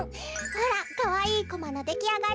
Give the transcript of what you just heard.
ほらかわいいコマのできあがり。